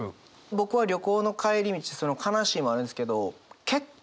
僕は旅行の帰り道悲しいもあるんですけど結果